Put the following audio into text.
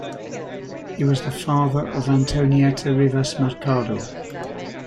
He was the father of Antonieta Rivas Mercado.